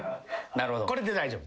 これで大丈夫。